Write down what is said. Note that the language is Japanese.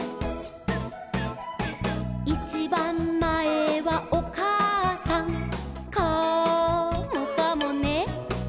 「いちばんまえはおかあさん」「カモかもね」